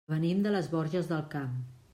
Venim de les Borges del Camp.